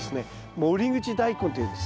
守口大根っていうんです。